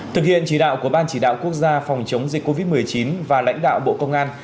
thực hiện chỉ đạo của ban chỉ đạo quốc gia phòng chống dịch covid một mươi chín và lãnh đạo bộ công an